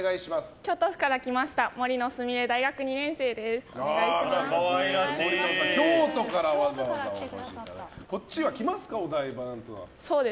京都府から来ました杜野菫、大学２年生です。